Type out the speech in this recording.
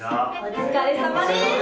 お疲れさまです！